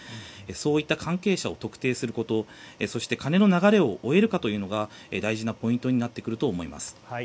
そういった関係者を特定することそして、金の流れを追えるかが大事なポイントになってくると思います。